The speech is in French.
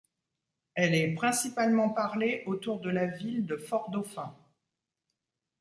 Elle est principalement parlée autour de la ville de Fort-dauphin.